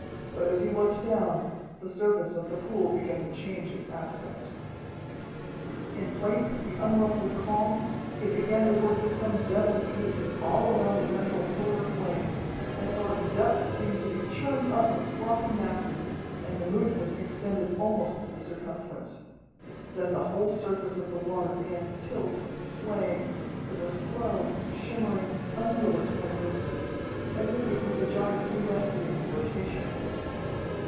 But as he looked down, the surface of the pool began to change its aspect. In place of the unruffled calm, it began to work with some devil's yeast all around the central pillar of flame, until its depths seemed to be churned up in frothy masses and the movement extended almost to the circumference. Then the whole surface of the water began to tilt and sway with a slow, shimmering, undulatory movement, as if it was a giant roulette wheel in rotation.